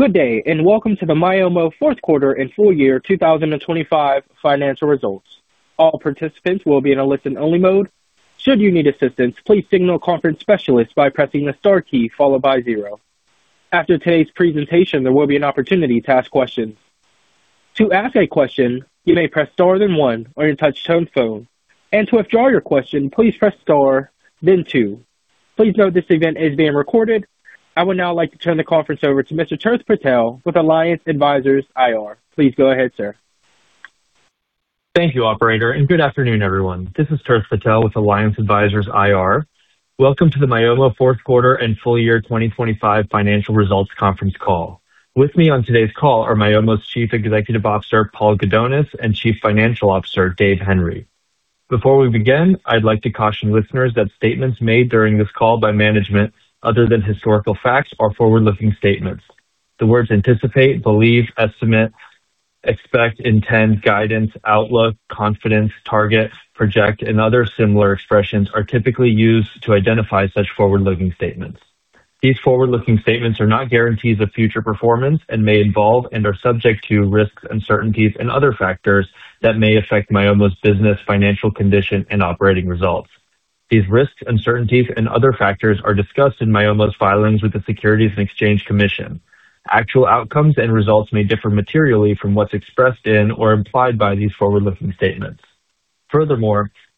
Good day, welcome to the Myomo fourth 1/4 and full year 2025 financial results. All participants will be in a Listen-Only mode. Should you need assistance, please signal a conference specialist by pressing the star key followed by 0. After today's presentation, there will be an opportunity to ask questions. To ask a question, you may press star then 1 on your Touch-Tone phone. To withdraw your question, please press star then 2. Please note this event is being recorded. I would now like to turn the conference over to Mr. Tirth Patel with Alliance Advisors IR. Please go ahead, sir. Thank you, operator. Good afternoon, everyone. This is Tirth Patel with Alliance Advisors IR. Welcome to the Myomo fourth 1/4 and full year 2025 financial results conference call. With me on today's call are Myomo's Chief Executive Officer, Paul Gudonis, and Chief Financial Officer, David Henry. Before we begin, I'd like to caution listeners that statements made during this call by management other than historical facts are Forward-Looking statements. The words anticipate, believe, estimate, expect, intend, guidance, outlook, confidence, target, project, and other similar expressions are typically used to identify such forward-looking statements. These forward-looking statements are not guarantees of future performance and may involve and are subject to risks, uncertainties, and other factors that may affect Myomo's business, financial condition, and operating results. These risks, uncertainties, and other factors are discussed in Myomo's filings with the Securities and Exchange Commission. Actual outcomes and results may differ materially from what's expressed in or implied by these forward-looking statements.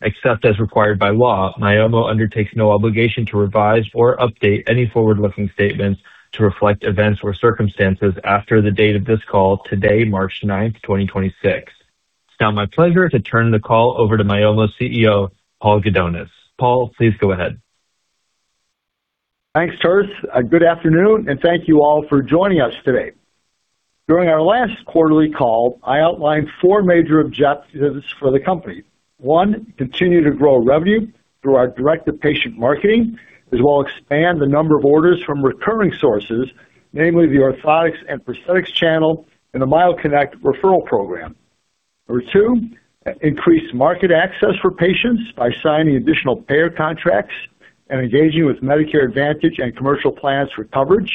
Except as required by law, Myomo undertakes no obligation to revise or update any forward-looking statements to reflect events or circumstances after the date of this call today, March 9, 2026. It's now my pleasure to turn the call over to Myomo CEO, Paul Gudonis. Paul, please go ahead. Thanks, Tirth. Good afternoon, and thank you all for joining us today. During our last quarterly call, I outlined four major objectives for the company. One, continue to grow revenue through our direct-to-patient marketing, as well expand the number of orders from recurring sources, namely the Orthotics and Prosthetics channel and the MyoConnect referral program. Number 2, increase market access for patients by signing additional payer contracts and engaging with Medicare Advantage and commercial plans for coverage.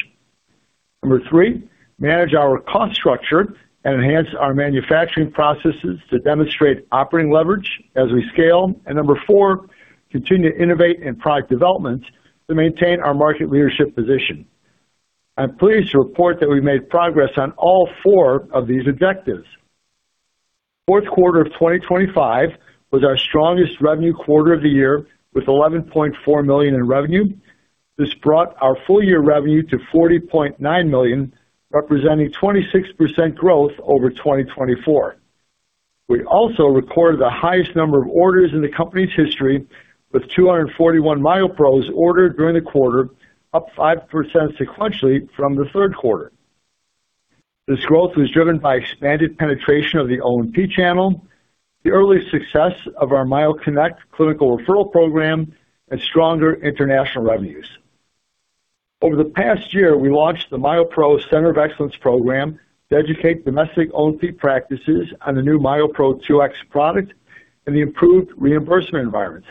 Number 3, manage our cost structure and enhance our manufacturing processes to demonstrate operating leverage as we scale. Number four, continue to innovate in product development to maintain our market leadership position. I'm pleased to report that we made progress on all four of these objectives. Fourth 1/4 of 2025 was our strongest revenue 1/4 of the year, with $11.4 million in revenue. This brought our full year revenue to $40.9 million, representing 26% growth over 2024. We also recorded the highest number of orders in the company's history, with 241 MyoPros ordered during the 1/4, up 5% sequentially from the 1/3 1/4. This growth was driven by expanded penetration of the O&P channel, the early success of our MyoConnect clinical referral program, and stronger international revenues. Over the past year, we launched the MyoPro Center of Excellence program to educate domestic O&P practices on the new MyoPro 2X product and the improved reimbursement environment.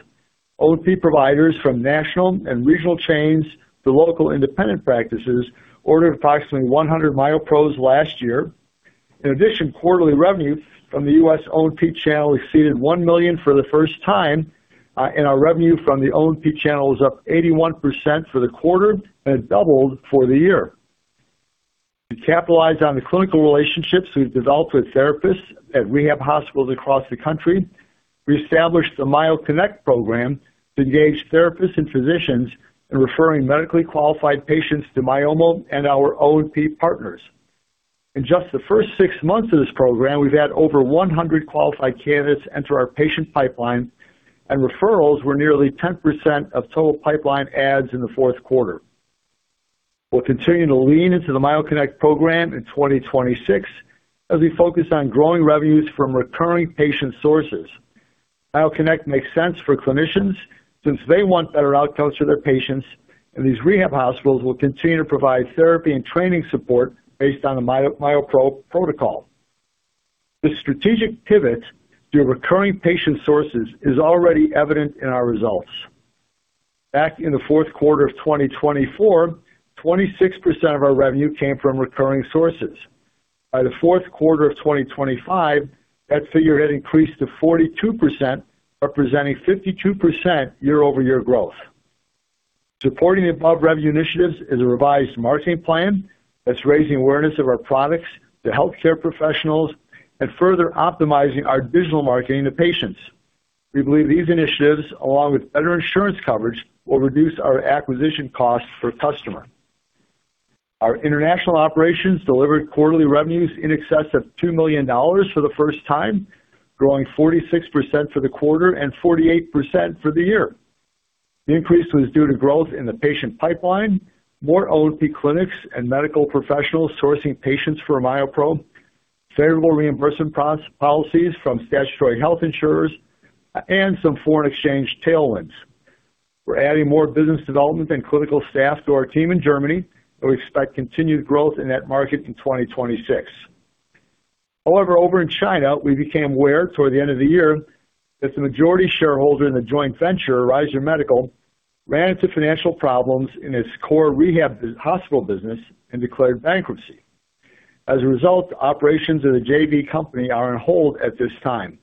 O&P providers from national and regional chains to local independent practices ordered approximately 100 MyoPros last year. In addition, quarterly revenue from the U.S. O&P channel exceeded $1 million for the first time, and our revenue from the O&P channel was up 81% for the 1/4 and doubled for the year. To capitalize on the clinical relationships we've developed with therapists at rehab hospitals across the country, we established the MyoConnect program to engage therapists and physicians in referring medically qualified patients to Myomo and our O&P partners. In just the first 6 months of this program, we've had over 100 qualified candidates enter our patient pipeline, and referrals were nearly 10% of total pipeline adds in the fourth 1/4. We'll continue to lean into the MyoConnect program in 2026 as we focus on growing revenues from recurring patient sources. MyoConnect makes sense for clinicians since they want better outcomes for their patients, and these rehab hospitals will continue to provide therapy and training support based on the MyoPro protocol. This strategic pivot to recurring patient sources is already evident in our results. Back in the fourth 1/4 of 2024, 26% of our revenue came from recurring sources. By the fourth 1/4 of 2025, that figure had increased to 42%, representing 52% Year-Over-Year growth. Supporting the above revenue initiatives is a revised marketing plan that's raising awareness of our products to healthcare professionals and further optimizing our digital marketing to patients. We believe these initiatives, along with better insurance coverage, will reduce our acquisition costs per customer. Our international operations delivered quarterly revenues in excess of $2 million for the first time, growing 46% for the 1/4 and 48% for the year. The increase was due to growth in the patient pipeline, more O&P clinics and medical professionals sourcing patients for MyoPro, favorable reimbursement policies from statutory health insurers, and some foreign exchange tailwinds. We're adding more business development and clinical staff to our team in Germany, and we expect continued growth in that market in 2026. Over in China, we became aware toward the end of the year that the majority shareholder in the joint venture, Ryzur Medical, ran into financial problems in its core rehab hospital business and declared bankruptcy. As a result, operations of the JV company are on hold at this time.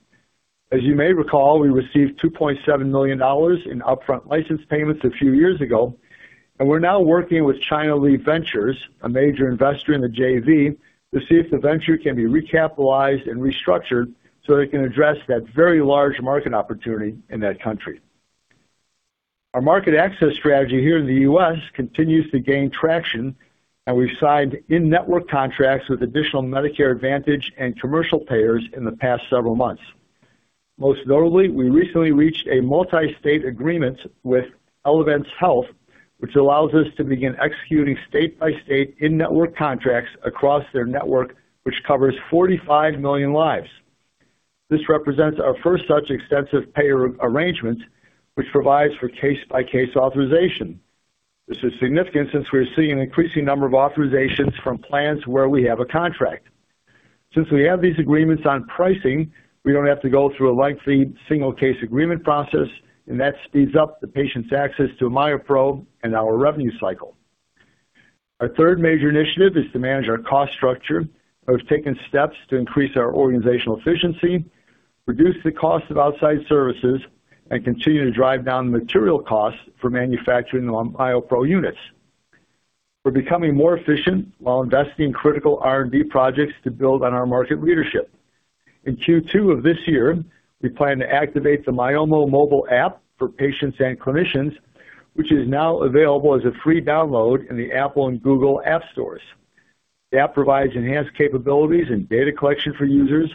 As you may recall, we received $2.7 million in upfront license payments a few years ago, and we're now working with China Lead Ventures, a major investor in the JV, to see if the venture can be recapitalized and restructured so they can address that very large market opportunity in that country. Our market access strategy here in the U.S. continues to gain traction, and we've signed in-network contracts with additional Medicare Advantage and commercial payers in the past several months. Most notably, we recently reached a multi-state agreement with Elevance Health, which allows us to begin executing State-By-State in-network contracts across their network, which covers 45 million lives. This represents our first such extensive payer arrangement, which provides for case-by-case authorization. This is significant since we are seeing an increasing number of authorizations from plans where we have a contract. Since we have these agreements on pricing, we don't have to go through a lengthy single case agreement process, and that speeds up the patient's access to MyoPro and our revenue cycle. Our 1/3 major initiative is to manage our cost structure. We've taken steps to increase our organizational efficiency, reduce the cost of outside services, and continue to drive down material costs for manufacturing the MyoPro units. We're becoming more efficient while investing in critical R&D projects to build on our market leadership. In Q2 of this year, we plan to activate the Myomo mobile app for patients and clinicians, which is now available as a free download in the Apple and Google App Stores. The app provides enhanced capabilities and data collection for users,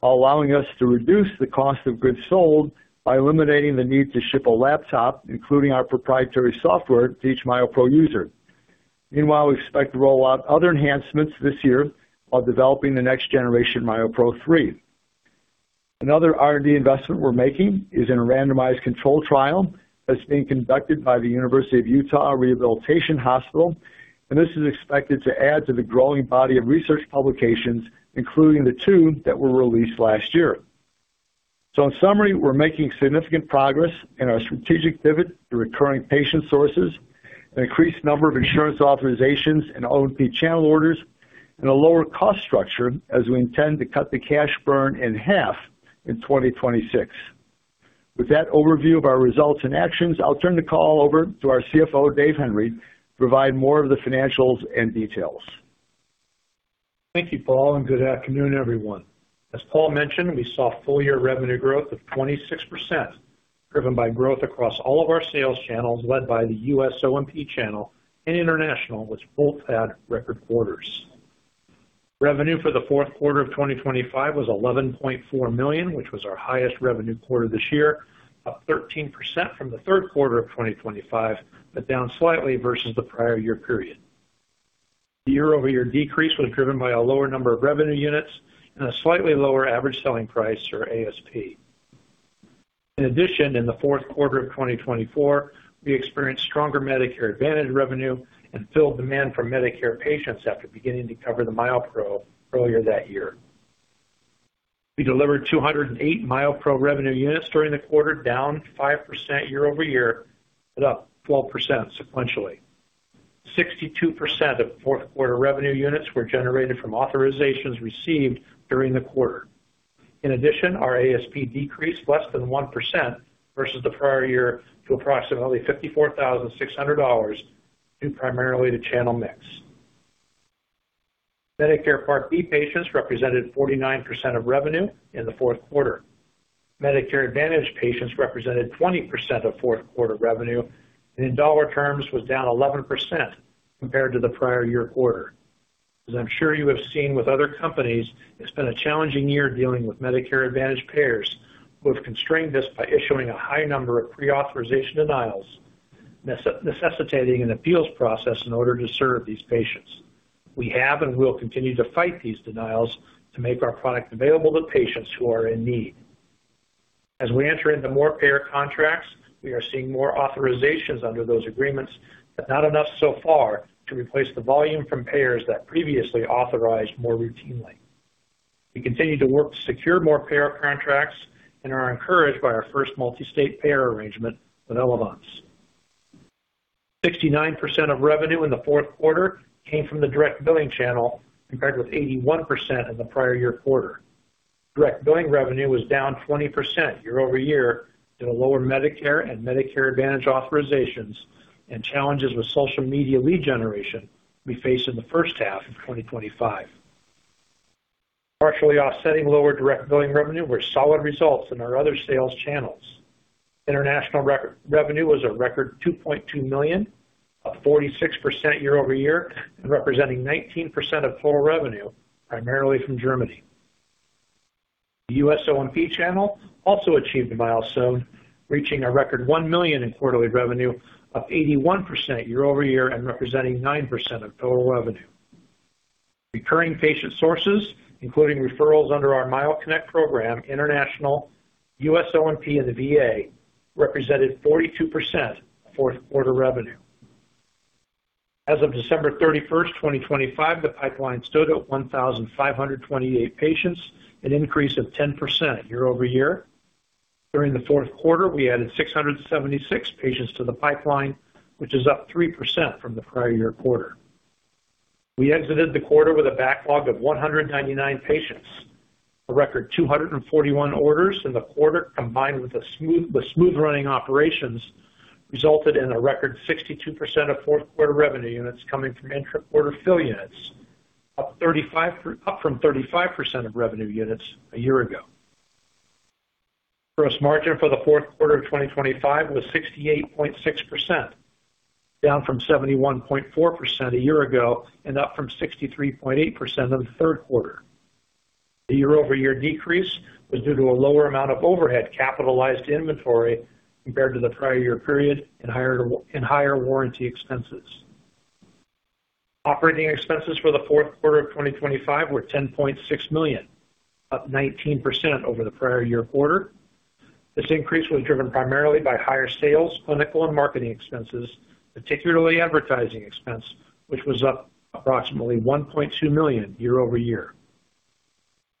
while allowing us to reduce the cost of goods sold by eliminating the need to ship a laptop, including our proprietary software, to each MyoPro user. Meanwhile, we expect to roll out other enhancements this year while developing the next generation MyoPro 3. Another R&D investment we're making is in a randomized controlled trial that's being conducted by the Craig H. Neilsen Rehabilitation Hospital, and this is expected to add to the growing body of research publications, including the 2 that were released last year. In summary, we're making significant progress in our strategic pivot to recurring patient sources, an increased number of insurance authorizations and O&P channel orders, and a lower cost structure as we intend to cut the cash burn in 1/2 in 2026. With that overview of our results and actions, I'll turn the call over to our CFO, David Henry, to provide more of the financials and details. Thank you, Paul, and good afternoon, everyone. As Paul mentioned, we saw full-year revenue growth of 26%, driven by growth across all of our sales channels, led by the U.S. O&P channel and international, which both had record 1/4s. Revenue for the fourth 1/4 of 2025 was $11.4 million, which was our highest revenue 1/4 this year, up 13% from the 1/3 1/4 of 2025, but down slightly versus the prior year period. The Year-Over-Year decrease was driven by a lower number of revenue units and a slightly lower average selling price, or ASP. In addition, in the fourth 1/4 of 2024, we experienced stronger Medicare Advantage revenue and filled demand from Medicare patients after beginning to cover the MyoPro earlier that year. We delivered 208 MyoPro revenue units during the 1/4, down 5% Year-Over-Year, but up 12% sequentially. 62% of fourth 1/4 revenue units were generated from authorizations received during the 1/4. In addition, our ASP decreased less than 1% versus the prior year to approximately $54,600, due primarily to channel mix. Medicare Part B patients represented 49% of revenue in the fourth 1/4. Medicare Advantage patients represented 20% of fourth 1/4 revenue and in dollar terms was down 11% compared to the prior year 1/4. As I'm sure you have seen with other companies, it's been a challenging year dealing with Medicare Advantage payers who have constrained this by issuing a high number of pre-authorization denials, necessitating an appeals process in order to serve these patients. We have and will continue to fight these denials to make our product available to patients who are in need. As we enter into more payer contracts, we are seeing more authorizations under those agreements. Not enough so far to replace the volume from payers that previously authorized more routinely. We continue to work to secure more payer contracts and are encouraged by our first multi-state payer arrangement with Elevance. 69% of revenue in the fourth 1/4 came from the direct billing channel, compared with 81% in the prior year 1/4. Direct billing revenue was down 20% Year-Over-Year due to lower Medicare and Medicare Advantage authorizations and challenges with social media lead generation we faced in the first 1/2 of 2025. Partially offsetting lower direct billing revenue were solid results in our other sales channels. International revenue was a record $2.2 million, up 46% Year-Over-Year, and representing 19% of total revenue, primarily from Germany. The U.S. O&P channel also achieved a milestone, reaching a record $1 million in quarterly revenue, up 81% Year-Over-Year and representing 9% of total revenue. Recurring patient sources, including referrals under our MyoConnect program, international, U.S. O&P, and the VA, represented 42% of fourth 1/4 revenue. As of December 31st, 2025, the pipeline stood at 1,528 patients, an increase of 10% Year-Over-Year. During the fourth 1/4, we added 676 patients to the pipeline, which is up 3% from the prior year 1/4. We exited the 1/4 with a backlog of 199 patients. A record 241 orders in the 1/4, combined with the smooth-running operations, resulted in a record 62% of fourth 1/4 revenue units coming from intra-1/4 fill units, up from 35% of revenue units a year ago. Gross margin for the fourth 1/4 of 2025 was 68.6%, down from 71.4% a year ago and up from 63.8% in the 1/3 1/4. The Year-Over-Year decrease was due to a lower amount of overhead capitalized inventory compared to the prior year period and higher warranty expenses. Operating expenses for the fourth 1/4 of 2025 were $10.6 million, up 19% over the prior year 1/4. This increase was driven primarily by higher sales, clinical and marketing expenses, particularly advertising expense, which was up approximately $1.2 million Year-Over-Year.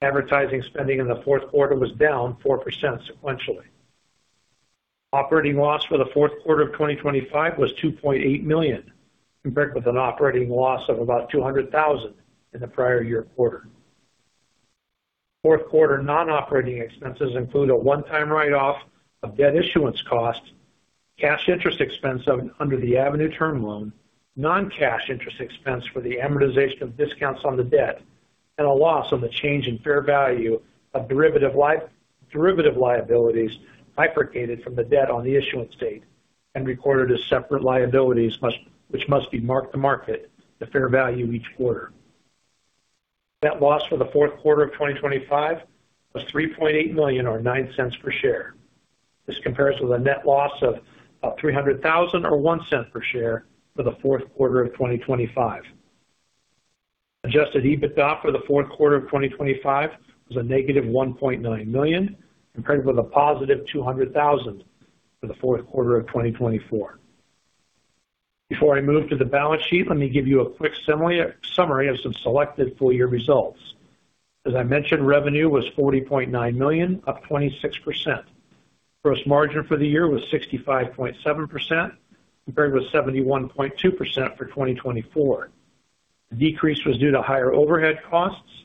Advertising spending in the fourth 1/4 was down 4% sequentially. Operating loss for the fourth 1/4 of 2025 was $2.8 million, compared with an operating loss of about $200,000 in the prior year 1/4. Fourth 1/4 Non-Operating expenses include a One-Time Write-Off of debt issuance costs, cash interest expense under the Avenue term loan, Non-Cash interest expense for the amortization of discounts on the debt, and a loss on the change in fair value of derivative liabilities bifurcated from the debt on the issuance date and recorded as separate liabilities which must be marked to market to fair value each 1/4. Net loss for the fourth 1/4 of 2025 was $3.8 million, or $0.09 per share. This compares with a net loss of $300,000 or $0.01 per share for the fourth 1/4 of 2025. Adjusted EBITDA for the fourth 1/4 of 2025 was a negative $1.9 million, compared with a positive $200,000 for the fourth 1/4 of 2024. Before I move to the balance sheet, let me give you a quick summary of some selected full year results. As I mentioned, revenue was $40.9 million, up 26%. Gross margin for the year was 65.7%, compared with 71.2% for 2024. The decrease was due to higher overhead costs,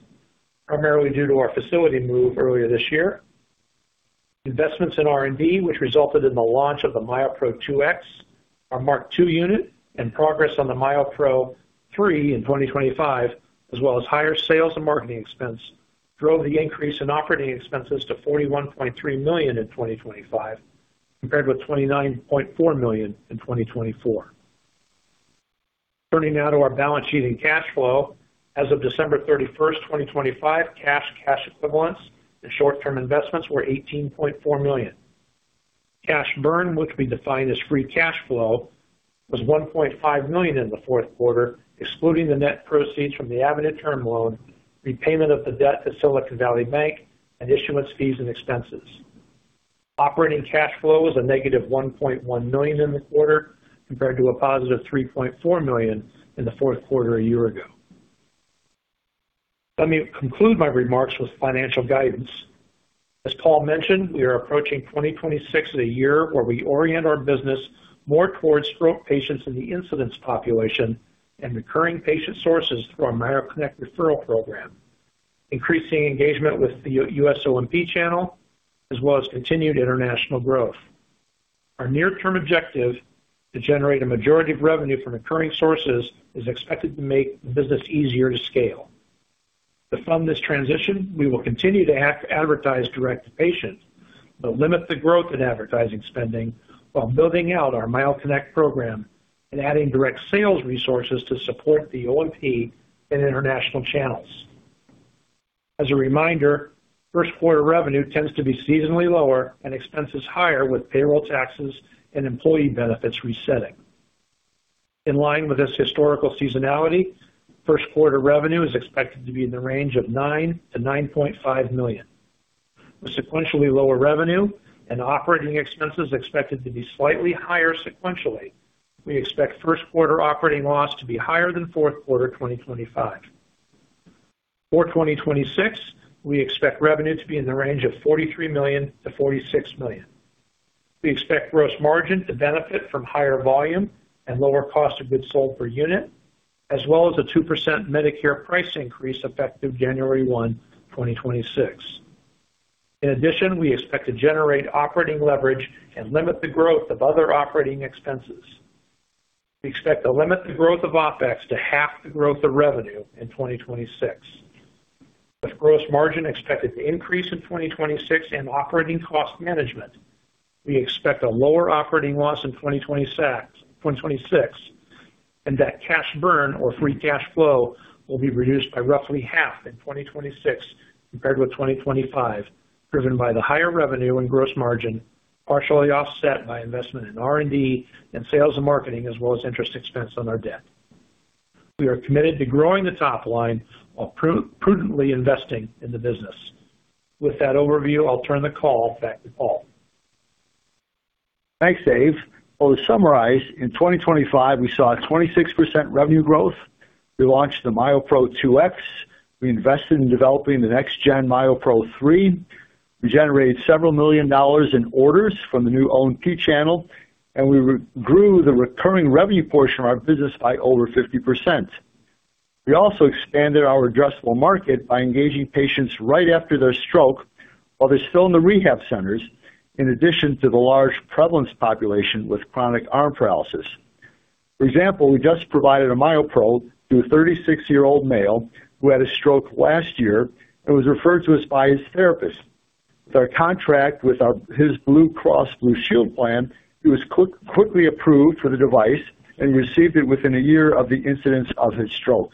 primarily due to our facility move earlier this year. Investments in R&D, which resulted in the launch of the MyoPro 2X, our Mark 2 unit, and progress on the MyoPro 3 in 2025, as well as higher sales and marketing expense, drove the increase in operating expenses to $41.3 million in 2025, compared with $29.4 million in 2024. Turning now to our balance sheet and cash flow. As of December 31st, 2025, cash equivalents and short-term investments were $18.4 million. Cash burn, which we define as free cash flow, was $1.5 million in the fourth 1/4, excluding the net proceeds from the Avenue term loan, repayment of the debt to Silicon Valley Bank, and issuance fees and expenses. Operating cash flow was a negative $1.1 million in the 1/4, compared to a positive $3.4 million in the fourth 1/4 a year ago. Let me conclude my remarks with financial guidance. As Paul mentioned, we are approaching 2026 as a year where we orient our business more towards stroke patients in the incidence population and recurring patient sources through our MyoConnect referral program, increasing engagement with the U.S. O&P channel, as well as continued international growth. Our near-term objective to generate a majority of revenue from recurring sources is expected to make the business easier to scale. To fund this transition, we will continue to advertise direct to patients, but limit the growth in advertising spending while building out our MyoConnect program and adding direct sales resources to support the O&P and international channels. As a reminder, first 1/4 revenue tends to be seasonally lower and expenses higher, with payroll taxes and employee benefits resetting. In line with this historical seasonality, first 1/4 revenue is expected to be in the range of $9 million-$9.5 million. With sequentially lower revenue and operating expenses expected to be slightly higher sequentially, we expect first 1/4 operating loss to be higher than fourth 1/4 2025. For 2026, we expect revenue to be in the range of $43 million-$46 million. We expect gross margin to benefit from higher volume and lower cost of goods sold per unit, as well as a 2% Medicare price increase effective January 1, 2026. In addition, we expect to generate operating leverage and limit the growth of other operating expenses. We expect to limit the growth of OpEx to 1/2 the growth of revenue in 2026. With gross margin expected to increase in 2026 and operating cost management, we expect a lower operating loss in 2026, and that cash burn or free cash flow will be reduced by roughly 1/2 in 2026 compared with 2025, driven by the higher revenue and gross margin, partially offset by investment in R&D and sales and marketing, as well as interest expense on our debt. We are committed to growing the top line while prudently investing in the business. With that overview, I'll turn the call back to Paul. Thanks, David. Well, to summarize, in 2025, we saw a 26% revenue growth. We launched the MyoPro 2X. We invested in developing the next-gen MyoPro 3. We generated several million dollars in orders from the new O&P channel. We Re-Grew the recurring revenue portion of our business by over 50%. We also expanded our addressable market by engaging patients right after their stroke while they're still in the rehab centers, in addition to the large prevalence population with chronic arm paralysis. For example, we just provided a MyoPro to a 36-Year-Old male who had a stroke last year and was referred to us by his therapist. With our contract with his Blue Cross Blue Shield plan, he was quickly approved for the device and received it within a year of the incidence of his stroke.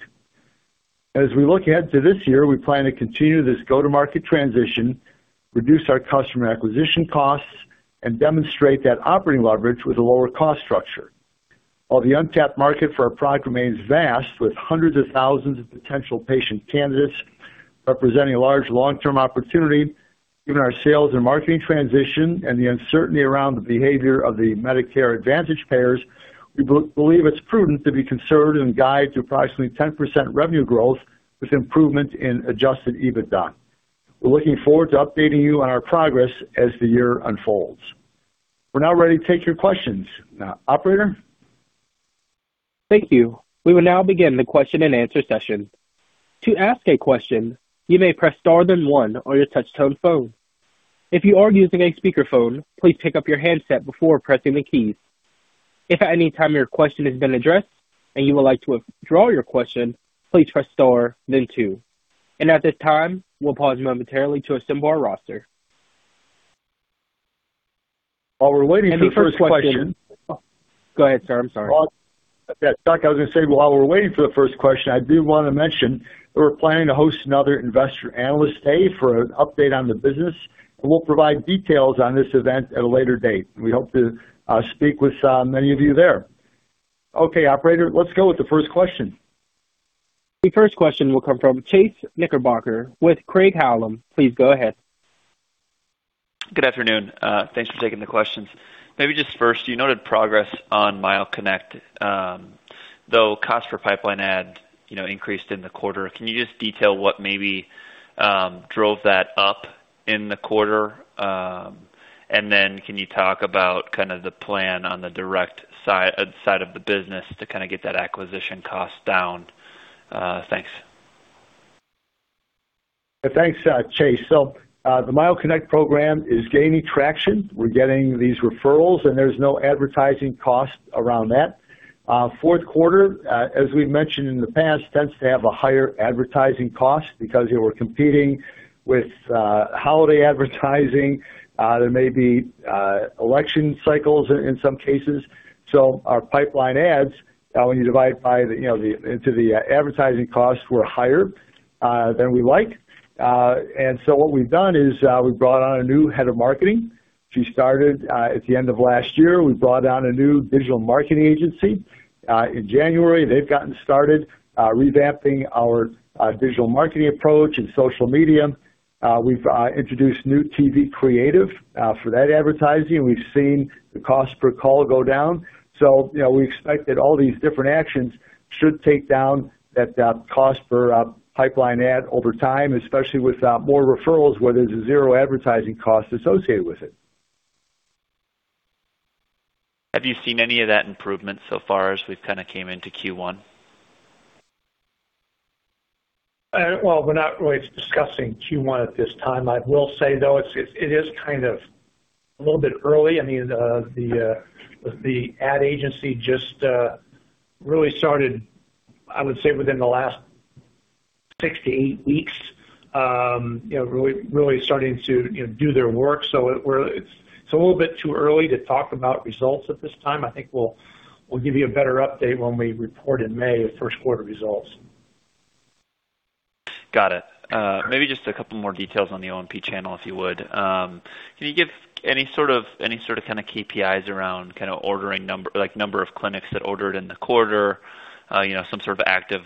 As we look ahead to this year, we plan to continue this go-to-market transition, reduce our customer acquisition costs, and demonstrate that operating leverage with a lower cost structure. While the untapped market for our product remains vast, with hundreds of thousands of potential patient candidates representing a large long-term opportunity. Given our sales and marketing transition and the uncertainty around the behavior of the Medicare Advantage payers, we believe it's prudent to be conservative and guide to approximately 10% revenue growth with improvement in adjusted EBITDA. We're looking forward to updating you on our progress as the year unfolds. We're now ready to take your questions. Operator? Thank you. We will now begin the question-and-answer session. To ask a question, you may press Star then one on your touch tone phone. If you are using a speakerphone, please pick up your handset before pressing the keys. If at any time your question has been addressed and you would like to withdraw your question, please press Star then 2. At this time, we'll pause momentarily to assemble our roster. While we're waiting for the first question. The first question. Go ahead, sir. I'm sorry. Well, yeah. Chuck, I was gonna say, while we're waiting for the first question, I do wanna mention that we're planning to host another investor analyst day for an update on the business, and we'll provide details on this event at a later date. We hope to speak with many of you there. Okay, operator, let's go with the first question. The first question will come from Chase Knickerbocker with Craig-Hallum. Please go ahead. Good afternoon. Thanks for taking the questions. Maybe just first, you noted progress on MyoConnect, though cost per pipeline ad, you know, increased in the 1/4. Can you just detail what maybe drove that up in the 1/4? Then can you talk about kind of the plan on the direct side of the business to kind of get that acquisition cost down? Thanks. Thanks, Chase. The MyoConnect program is gaining traction. We're getting these referrals, there's no advertising cost around that. Fourth 1/4, as we've mentioned in the past, tends to have a higher advertising cost because you were competing with holiday advertising. There may be election cycles in some cases. Our pipeline ads, when you divide by the, you know, into the advertising costs were higher than we like. What we've done is, we brought on a new head of marketing. She started at the end of last year. We brought on a new digital marketing agency in January. They've gotten started revamping our digital marketing approach and social media. We've introduced new TV creative for that advertising, and we've seen the cost per call go down. You know, we expect that all these different actions should take down that cost per pipeline ad over time, especially with more referrals where there's a 0 advertising cost associated with it. Have you seen any of that improvement so far as we've kinda came into Q1? Well, we're not really discussing Q1 at this time. I will say, though, it is kind of a little bit early. I mean, the ad agency just really started, I would say, within the last 6 to 8 weeks, you know, really starting to, you know, do their work. It's a little bit too early to talk about results at this time. I think we'll give you a better update when we report in May the first 1/4 results. Got it. Maybe just a couple more details on the O&P channel, if you would. Can you give any sort of, any sort of kind of KPIs around kind of ordering number, like number of clinics that ordered in the 1/4, you know, some sort of active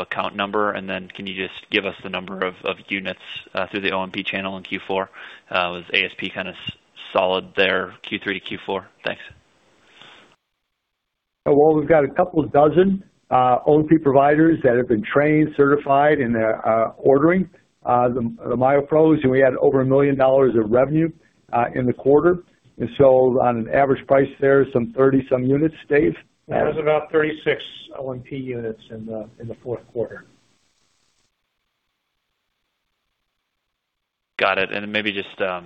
account number? Can you just give us the number of units through the O&P channel in Q4? Was ASP kinda solid there, Q3 to Q4? Thanks. We've got a couple of dozen O&P providers that have been trained, certified, and are ordering the MyoPros, and we had over $1 million of revenue in the 1/4. On an average price there, some 30 some units. Dave? It was about 36 O&P units in the fourth 1/4. Got it. Maybe just, the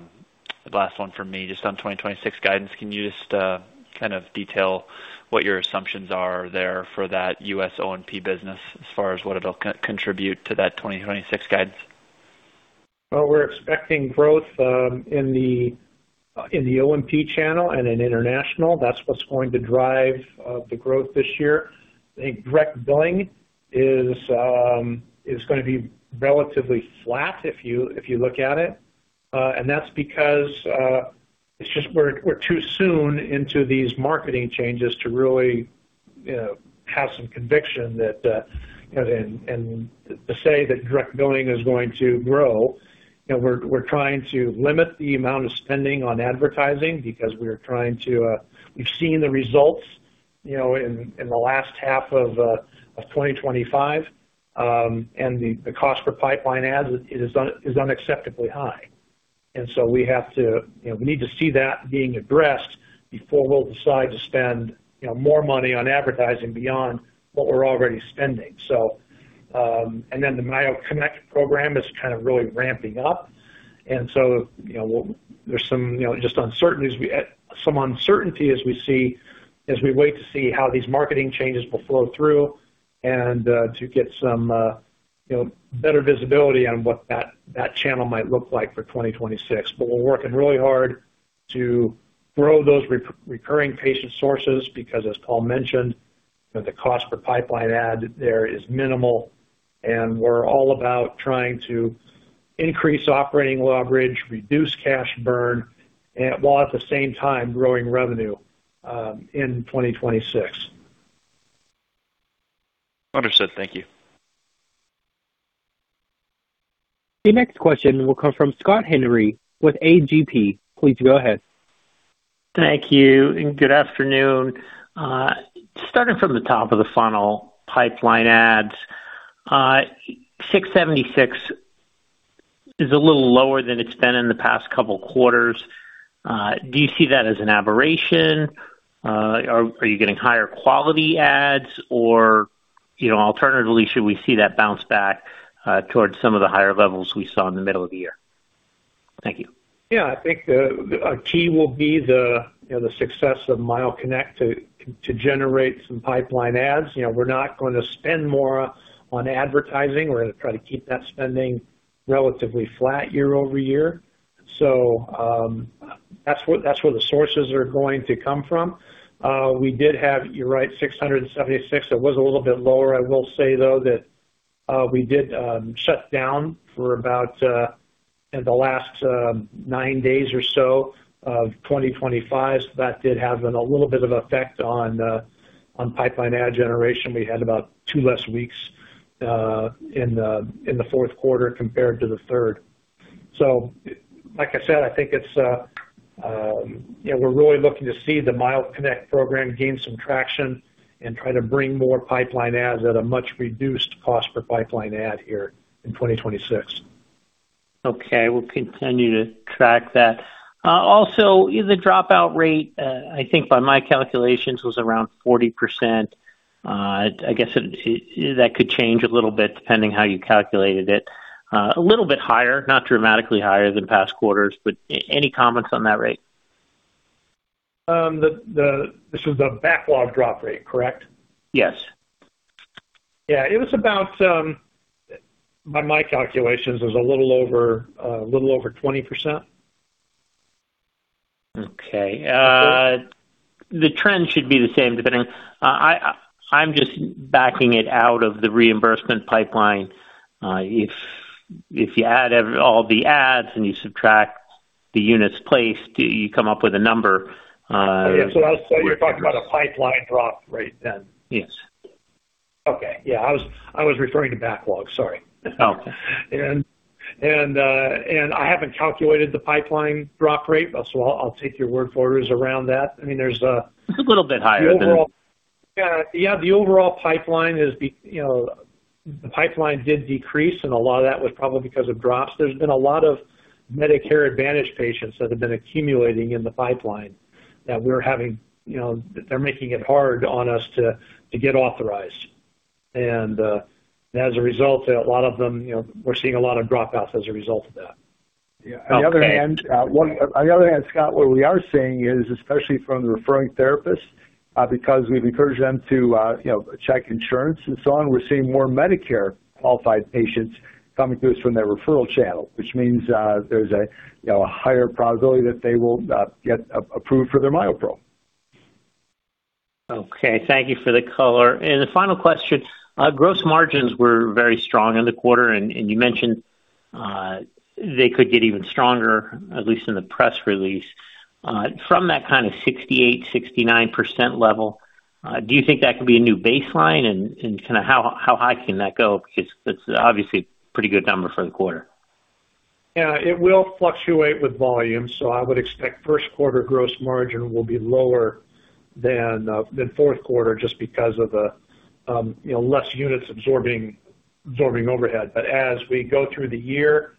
last one for me, just on 2026 guidance, can you just, kind of detail what your assumptions are there for that U.S. O&P business as far as what it'll co-contribute to that 2026 guidance? Well, we're expecting growth in the O&P channel and in international. That's what's going to drive the growth this year. I think direct billing is gonna be relatively flat if you, if you look at it. That's because it's just we're too soon into these marketing changes to really, you know, have some conviction that and to say that direct billing is going to grow. You know, we're trying to limit the amount of spending on advertising because we are trying to, we've seen the results, you know, in the last 1/2 of 2025, and the cost per pipeline ad is unacceptably high. We have to, you know, we need to see that being addressed before we'll decide to spend, you know, more money on advertising beyond what we're already spending. The MyoConnect program is kind of really ramping up. You know, there's some, you know, just uncertainties some uncertainty as we wait to see how these marketing changes will flow through to get some, you know, better visibility on what that channel might look like for 2026. We're working really hard to grow those recurring patient sources because as Paul mentioned, you know, the cost per pipeline ad there is minimal, and we're all about trying to increase operating leverage, reduce cash burn while at the same time growing revenue in 2026. Understood. Thank you. The next question will come from Scott Henry with AGP. Please go ahead. Thank you. Good afternoon. Starting from the top of the funnel pipeline ads, 676 is a little lower than it's been in the past couple quarters. Do you see that as an aberration? Are you getting higher quality ads? You know, alternatively, should we see that bounce back towards some of the higher levels we saw in the middle of the year? Thank you. Yeah. I think, a key will be the, you know, the success of MyoConnect to generate some pipeline ads. You know, we're not going to spend more on advertising. We're gonna try to keep that spending relatively flat Year-Over-Year. That's where the sources are going to come from. We did have, you're right, 676. It was a little bit lower. I will say, though, that we did shut down for about in the last 9 days or so of 2025. That did have a little bit of effect on pipeline ad generation. We had about 2 less weeks in the fourth 1/4 compared to the 1/3. Like I said, I think it's, you know, we're really looking to see the MyoConnect program gain some traction and try to bring more pipeline ads at a much reduced cost per pipeline ad here in 2026. Okay. We'll continue to track that. Also the dropout rate, I think by my calculations, was around 40%. I guess that could change a little bit depending how you calculated it. A little bit higher, not dramatically higher than past 1/4s, but any comments on that rate? This is the backlog drop rate, correct? Yes. Yeah. It was about, by my calculations, it was a little over 20%. Okay. The trend should be the same, depending... I'm just backing it out of the reimbursement pipeline. If you add all the ads and you subtract the units placed, you come up with a number. Yeah. I would say you're talking about a pipeline drop rate then. Yes. Okay. Yeah. I was referring to backlog. Sorry. Oh. I haven't calculated the pipeline drop rate. I'll take your word for it was around that. I mean, there's. It's a little bit higher than... Yeah, the overall pipeline, you know, the pipeline did decrease, and a lot of that was probably because of drops. There's been a lot of Medicare Advantage patients that have been accumulating in the pipeline that we're having, you know, they're making it hard on us to get authorized. And as a result, a lot of them, you know, we're seeing a lot of drop-offs as a result of that. Okay. On the other hand, Scott, what we are seeing is, especially from the referring therapist, because we've encouraged them to, you know, check insurance and so on, we're seeing more Medicare-qualified patients coming to us from their referral channel, which means, there's a, you know, a higher probability that they will get approved for their MyoPro. Okay. Thank you for the color. The final question, gross margins were very strong in the 1/4, and you mentioned they could get even stronger, at least in the press release. From that kind of 68%-69% level, do you think that could be a new baseline? Kinda how high can that go? Because it's obviously a pretty good number for the 1/4. Yeah. It will fluctuate with volume, I would expect first 1/4 gross margin will be lower than fourth 1/4 just because of the, you know, less units absorbing overhead. As we go through the year,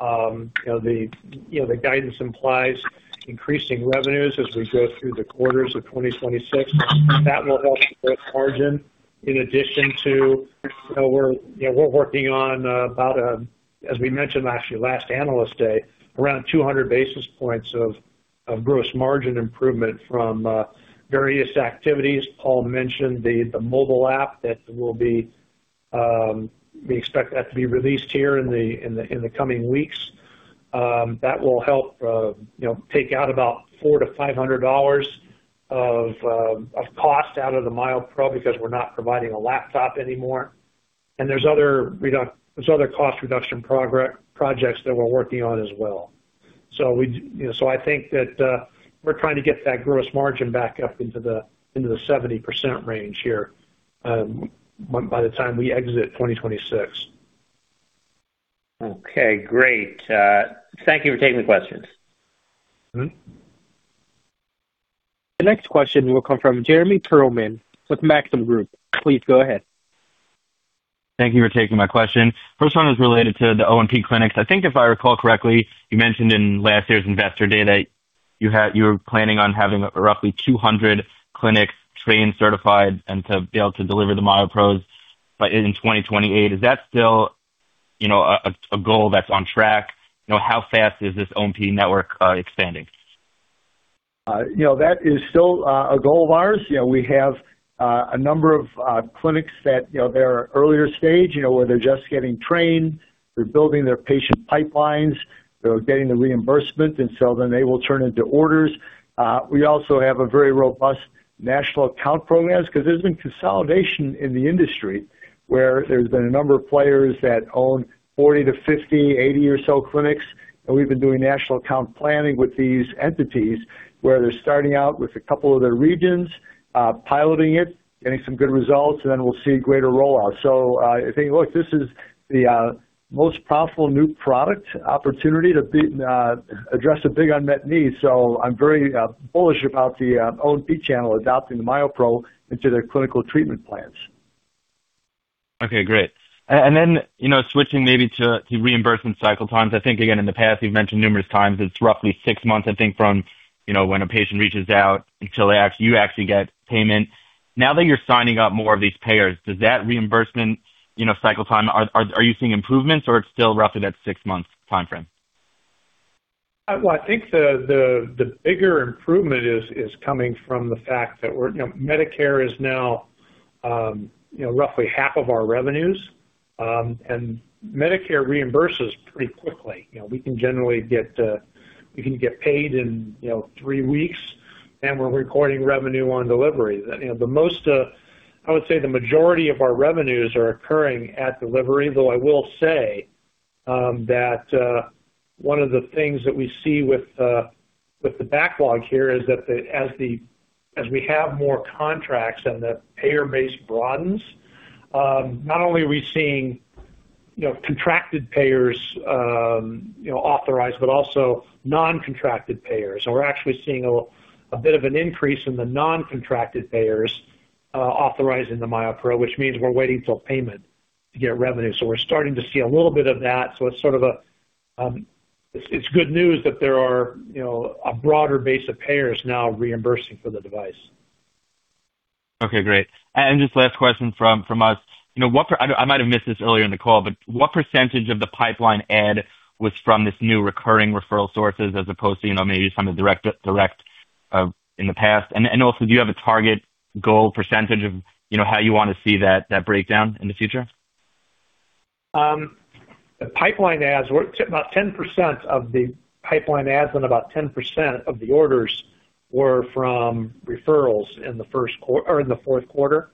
you know, the, you know, the guidance implies increasing revenues as we go through the 1/4s of 2026. That will help the gross margin in addition to, you know, we're, you know, we're working on about, as we mentioned actually last Analyst Day, around 200 basis points of gross margin improvement from various activities. Paul mentioned the mobile app that will be, we expect that to be released here in the coming weeks. That will help, you know, take out about $400-$500 of cost out of the MyoPro because we're not providing a laptop anymore. There's other cost reduction projects that we're working on as well. We, you know, so I think that, we're trying to get that gross margin back up into the, into the 70% range here, by the time we exit 2026. Okay, great. Thank you for taking the questions. Mm-hmm. The next question will come from Anthony Vendetti with Maxim Group. Please go ahead. Thank you for taking my question. First one was related to the O&P clinics. I think if I recall correctly, you mentioned in last year's investor day that you were planning on having roughly 200 clinics trained, certified, and to be able to deliver the MyoPro in 2028. Is that still, you know, a goal that's on track? You know, how fast is this O&P ne2rk expanding? You know, that is still a goal of ours. You know, we have a number of clinics that, you know, they're earlier stage, you know, where they're just getting trained. They're building their patient pipelines. They're getting the reimbursement, and so then they will turn into orders. We also have a very robust national account programs because there's been consolidation in the industry where there's been a number of players that own 40 to 50, 80 or so clinics, and we've been doing national account planning with these entities where they're starting out with a couple of their regions, piloting it, getting some good results, and then we'll see greater rollout. I think, look, this is the most powerful new product opportunity to be address a big unmet need. I'm very bullish about the O&P channel adopting the MyoPro into their clinical treatment plans. Okay, great. Then, you know, switching maybe to reimbursement cycle times. I think, again, in the past, you've mentioned numerous times, it's roughly 6 months, I think, from, you know, when a patient reaches out until you actually get payment. Now that you're signing up more of these payers, does that reimbursement, you know, cycle time, are you seeing improvements or it's still roughly that 6-month timeframe? Well, I think the, the bigger improvement is coming from the fact that we're, you know, Medicare is now, you know, roughly 1/2 of our revenues. Medicare reimburses pretty quickly. You know, we can generally get, we can get paid in, you know, 3 weeks, and we're recording revenue on delivery. The, you know, the most, I would say the majority of our revenues are occurring at delivery, though I will say, that, one of the things that we see with the backlog here is that as we have more contracts and the payer base broadens, not only are we seeing, you know, contracted payers, you know, authorized, but also non-contracted payers. We're actually seeing a bit of an increase in the non-contracted payers, authorizing the MyoPro, which means we're waiting till payment to get revenue. We're starting to see a little bit of that. It's sort of good news that there are, you know, a broader base of payers now reimbursing for the device. Okay, great. Just last question from us. You know, what I might have missed this earlier in the call, but what % of the pipeline add was from this new recurring referral sources as opposed to, you know, maybe some of the direct in the past? Also, do you have a target goal % of, you know, how you wanna see that breakdown in the future? The pipeline adds were about 10% of the pipeline adds and about 10% of the orders were from referrals in the fourth 1/4.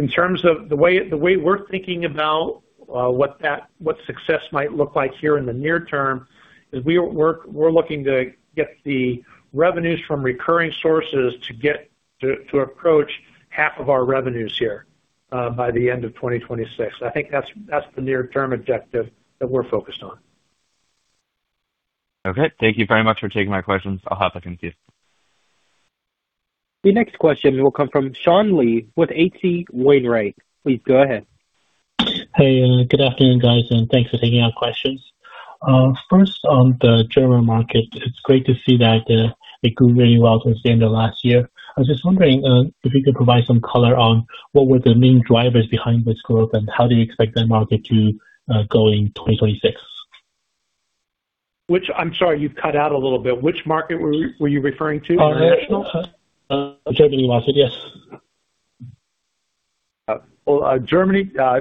In terms of the way we're thinking about what that, what success might look like here in the near term is we're looking to get the revenues from recurring sources to approach 1/2 of our revenues here by the end of 2026. I think that's the near term objective that we're focused on. Okay. Thank you very much for taking my questions. I'll hop back into queue. The next question will come from Swayampakula Ramakanth with H.C. Wainwright. Please go ahead. Hey, good afternoon, guys, and thanks for taking our questions. First on the German market, it's great to see that it grew really well since the end of last year. I was just wondering if you could provide some color on what were the main drivers behind this growth and how do you expect that market to go in 2026. I'm sorry, you cut out a little bit. Which market were you referring to? International? Germany market, yes. Well, Germany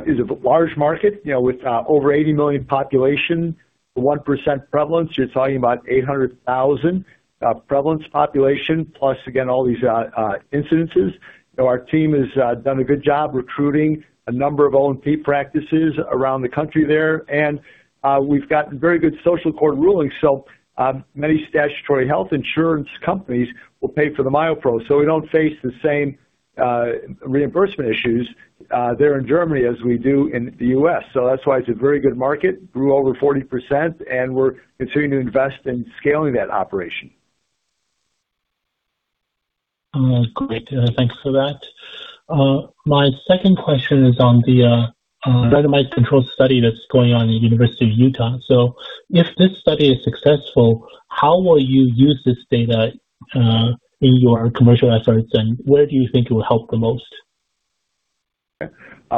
is a large market, you know, with over 80 million population, 1% prevalence. You're talking about 800,000 prevalence population plus, again, all these incidences. Our team has done a good job recruiting a number of O&P practices around the country there. We've gotten very good social court rulings. Many statutory health insurance companies will pay for the MyoPro, so we don't face the same reimbursement issues there in Germany as we do in the U.S. That's why it's a very good market, grew over 40% and we're continuing to invest in scaling that operation. Great. Thanks for that. My second question is on the randomized controlled trial that's going on in University of Utah. If this study is successful, how will you use this data, in your commercial efforts, and where do you think it will help the most? The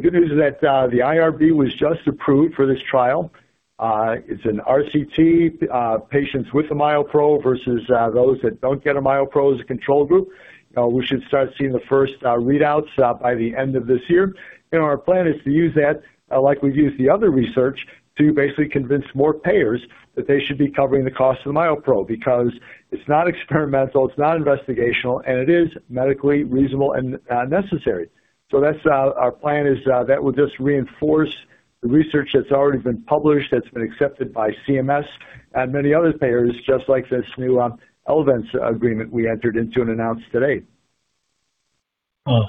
good news is that the IRB was just approved for this trial. It's an RCT, patients with MyoPro versus those that don't get a MyoPro as a control group. We should start seeing the first readouts by the end of this year. Our plan is to use that, like we've used the other research, to basically convince more payers that they should be covering the cost of the MyoPro because it's not experimental, it's not investigational, and it is medically reasonable and necessary. That's our plan is that will just reinforce The research that's already been published, that's been accepted by CMS and many other payers, just like this new Elevance agreement we entered into and announced today.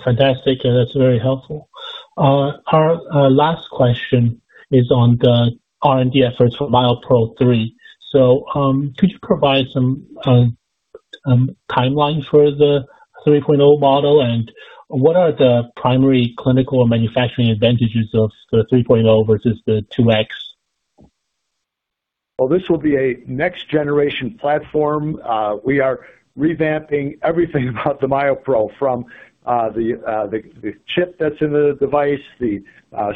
Fantastic. That's very helpful. Our last question is on the R&D efforts for MyoPro 3. Could you provide some timeline for the 3.0 model? What are the primary clinical manufacturing advantages of the 3.0 versus the 2X? This will be a next generation platform. We are revamping everything about the MyoPro from the chip that's in the device, the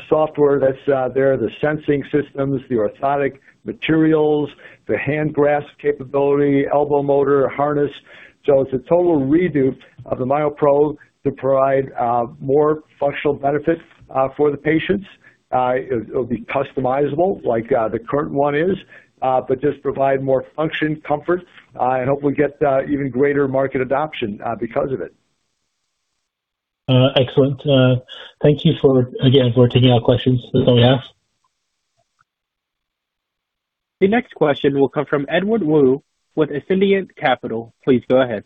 software that's out there, the sensing systems, the orthotic materials, the hand grasp capability, elbow motor, harness. It's a total redo of the MyoPro to provide more functional benefit for the patients. It'll be customizable like the current one is, but just provide more function, comfort, and hopefully get even greater market adoption because of it. Excellent. Thank you for, again, for taking our questions. That's all we have. The next question will come from Edward Woo with Ascendiant Capital. Please go ahead.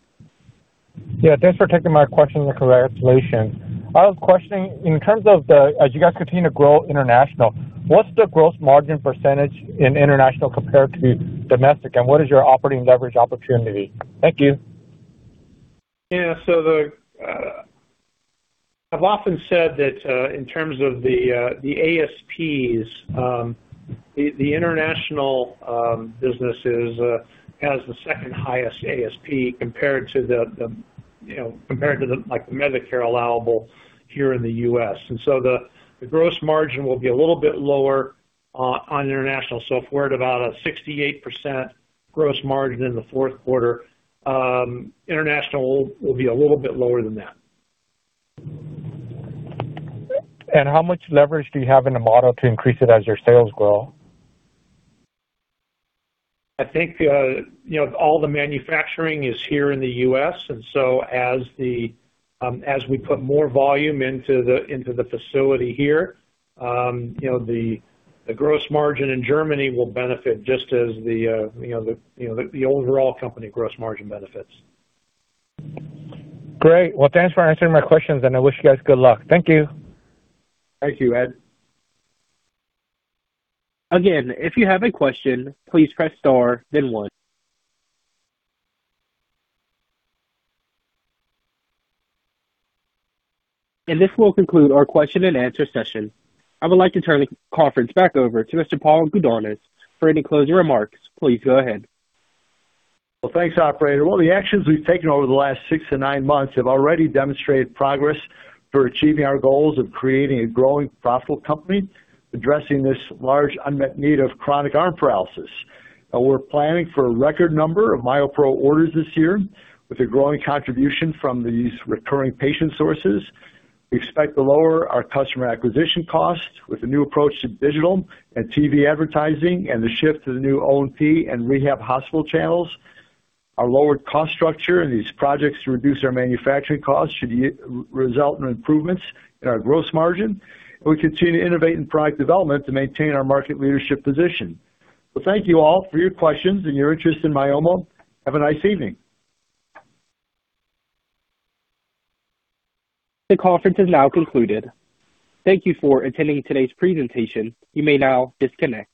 Yeah, thanks for taking my question, and congratulations. I was questioning, in terms of As you guys continue to grow international, what's the gross margin % in international compared to domestic, and what is your operating leverage opportunity? Thank you. I've often said that in terms of the ASPs, the international business has the second highest ASP compared to the, you know, compared to the, like, the Medicare allowable here in the U.S. The gross margin will be a little bit lower on international. If we're at about a 68% gross margin in the fourth 1/4, international will be a little bit lower than that. How much leverage do you have in the model to increase it as your sales grow? I think, you know, all the manufacturing is here in the U.S. As we put more volume into the facility here, you know, the gross margin in Germany will benefit just as the, you know, the overall company gross margin benefits. Great. Well, thanks for answering my questions, and I wish you guys good luck. Thank you. Thank you, Ed. Again, if you have a question, please press star then one. This will conclude our question and answer session. I would like to turn the conference back over to Mr. Paul Gudonis for any closing remarks. Please go ahead. Well, thanks, operator. Well, the actions we've taken over the last 6 to nine months have already demonstrated progress for achieving our goals of creating a growing profitable company, addressing this large unmet need of chronic arm paralysis. We're planning for a record number of MyoPro orders this year with a growing contribution from these recurring patient sources. We expect to lower our customer acquisition costs with the new approach to digital and TV advertising and the shift to the new O&P and rehab hospital channels. Our lowered cost structure and these projects to reduce our manufacturing costs should result in improvements in our gross margin. We continue to innovate in product development to maintain our market leadership position. Thank you all for your questions and your interest in Myomo. Have a nice evening. The conference has now concluded. Thank you for attending today's presentation. You may now disconnect.